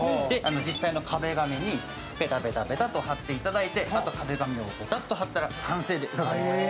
実際の壁紙にペタペタと貼っていただいてあとは壁紙をペタッと貼ったら完成でございます。